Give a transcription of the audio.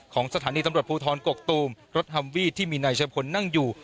สถานีตำรวจภูทรกกตูมรถฮัมวี่ที่มีนายชะพลนั่งอยู่